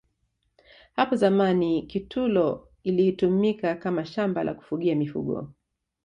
hapo zamani kitulo ilitumika Kama shamba la kufugia mifugo